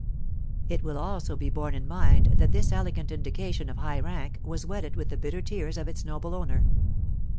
It will also be borne in mind that this elegant indication of high rank was wetted with the bitter tears of its noble owner.